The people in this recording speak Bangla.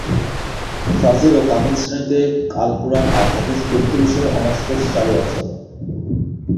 ফাজিল ও কামিল শ্রেণীতে আল কুরআন, আল হাদিস প্রভৃতি বিষয়ে অনার্স কোর্স চালু আছে।